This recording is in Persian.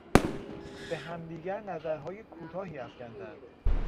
به همدیگر نظرهای کوتاهی افکندند.